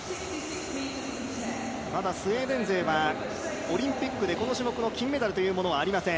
スウェーデン勢はオリンピックでこの種目の金メダルというものはありません。